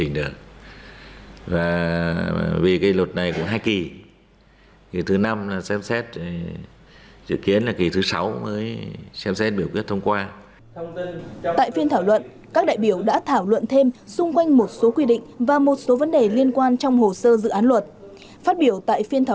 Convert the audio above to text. phát biểu tại phiên thảo luận bộ trưởng tô lâm cảm ơn các đại biểu đã thảo luận thêm xung quanh một số quy định và một số vấn đề liên quan trong hồ sơ dự án luật